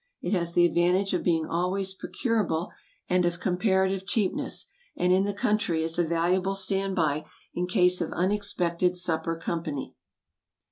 It has the advantage of being always procurable, and of comparative cheapness, and in the country is a valuable stand by in case of unexpected supper company.